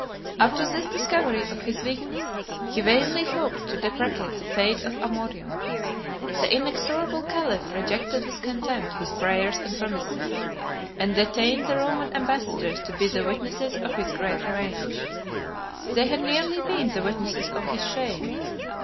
After this discovery of his weakness, he vainly hoped to deprecate the fate of Amorium: the inexorable caliph rejected with contempt his prayers and promises; and detained the Roman ambassadors to be the witnesses of his great revenge. They had nearly been the witnesses of his shame.